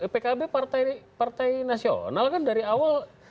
pkb partai nasional kan dari awal